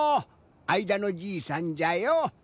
あいだのじいさんじゃよ。